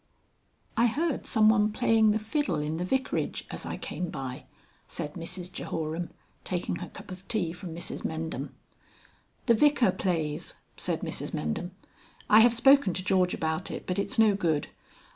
XXXI "I heard some one playing the fiddle in the Vicarage, as I came by," said Mrs Jehoram, taking her cup of tea from Mrs Mendham. "The Vicar plays," said Mrs Mendham. "I have spoken to George about it, but it's no good.